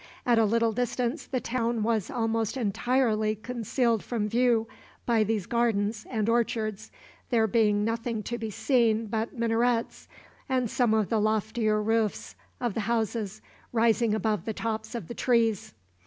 At a little distance the town was almost entirely concealed from view by these gardens and orchards, there being nothing to be seen but minarets, and some of the loftier roofs of the houses, rising above the tops of the trees.